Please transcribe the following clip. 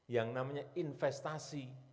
yang namanya investasi